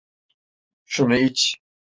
Şunu iç.